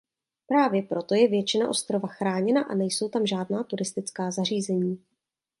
Právě proto je většina ostrova chráněna a nejsou tam žádná turistická zařízení.